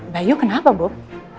bayu kenapa bob